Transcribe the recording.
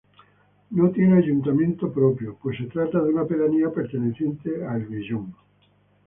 No tiene ayuntamiento propio, pues se trata de una pedanía perteneciente a El Vellón.